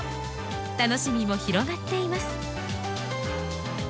楽しみも広がっています。